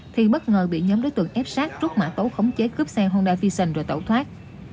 thì bất ngờ bị nhóm đối tượng ép sát rút mã tấu khống chế cướp xe honda vision rồi tẩu thoát